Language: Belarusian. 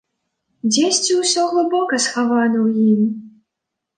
Дзесьці ўсё глыбока схавана ў ім.